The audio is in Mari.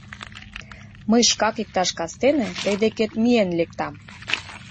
Мый шкак иктаж кастене тый декет миен лектам.